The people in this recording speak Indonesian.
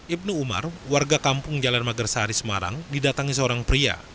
ibnu umar warga kampung jalan magersari semarang didatangi seorang pria